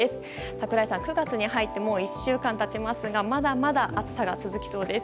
櫻井さん、９月に入って１週間経ちますがまだまだ暑さが続きそうです。